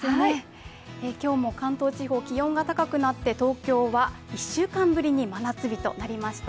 今日も関東地方、気温が高くなって、東京は１週間ぶりに真夏日となりました。